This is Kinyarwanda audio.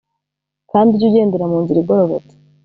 kandi ujye ugendera mu nzira igororotse